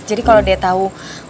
jadi kalau dia tau